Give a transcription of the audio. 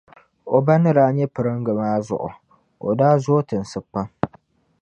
O ba ni daa nyɛ piringa maa zuɣu,o daa zooi tinsi pam.